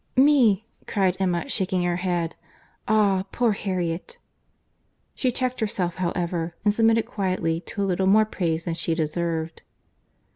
"Me!" cried Emma, shaking her head.—"Ah! poor Harriet!" She checked herself, however, and submitted quietly to a little more praise than she deserved.